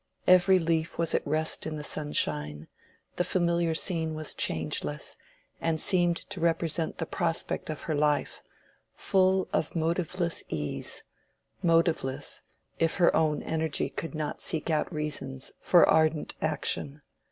Every leaf was at rest in the sunshine, the familiar scene was changeless, and seemed to represent the prospect of her life, full of motiveless ease—motiveless, if her own energy could not seek out reasons for ardent action.